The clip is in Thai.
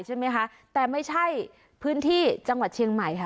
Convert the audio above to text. ใช่ไหมคะแต่ไม่ใช่พื้นที่จังหวัดเชียงใหม่ค่ะ